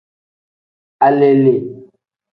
Alele.